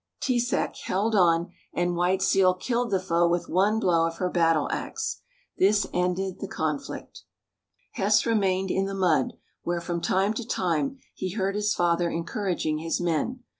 T'sāk held on, and White Seal killed the foe with one blow of her battle axe. This ended the conflict. Hess remained in the mud, where, from time to time, he heard his father encouraging his men.